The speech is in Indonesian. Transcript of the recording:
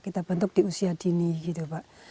kita bentuk di usia dini gitu pak